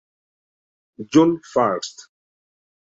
Juno First